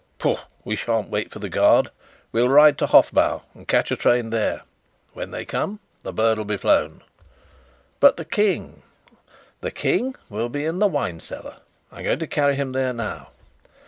"Pooh! We shan't wait for the guard. We'll ride to Hofbau and catch a train there. When they come, the bird'll be flown." "But the King?" "The King will be in the wine cellar. I'm going to carry him there now."